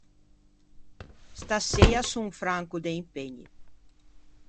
Staseia son franco de impegni.